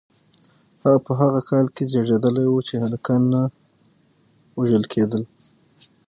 هغه په هغه کال کې زیږیدلی و چې هلکان نه وژل کېدل.